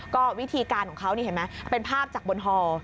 ก็วิธีการของเขาเป็นภาพจากบนฮอล์